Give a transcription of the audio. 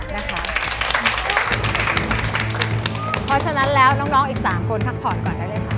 เพราะฉะนั้นแล้วน้องอีก๓คนพักผ่อนก่อนได้เลยค่ะ